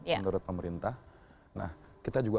menurut pemerintah nah kita juga